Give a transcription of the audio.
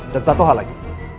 dan satu hal lagi